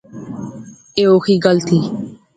ایہہ اوخی گل تھی